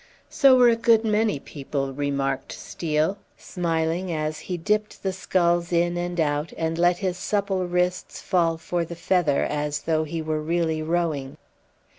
"So were a good many people," remarked Steel, smiling as he dipped the sculls in and out, and let his supple wrists fall for the feather, as though he were really rowing.